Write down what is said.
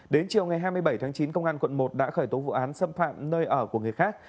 đến chiều ngày hai mươi bảy tháng chín công an quận một đã khởi tố vụ án xâm phạm nơi ở của người khác